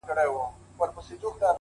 لكه اوبه چي دېوال ووهي ويده سمه زه;